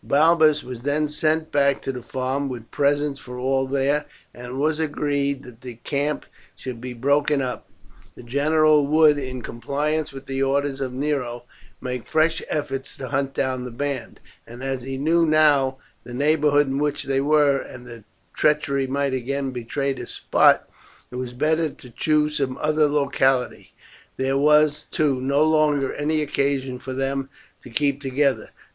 Balbus was then sent back to the farm with presents for all there, and it was agreed that the camp should be broken up. The general would, in compliance with the orders of Nero, make fresh efforts to hunt down the band; and as he knew now the neighbourhood in which they were, and treachery might again betray the spot, it was better to choose some other locality; there was, too, no longer any occasion for them to keep together.